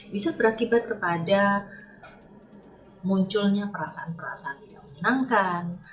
bisa berakibat kepada munculnya perasaan perasaan tidak menyenangkan